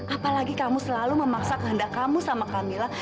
apalagi kamu selalu memaksa kehendak kamu sama kamila